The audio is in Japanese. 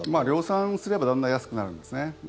量産すればだんだん安くなるんですね。